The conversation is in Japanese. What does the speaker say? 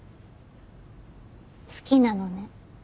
好きなのね。